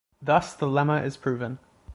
Thus the lemma is proven.